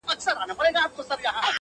چي ته نه يې زما په ژونــــد كــــــي ـ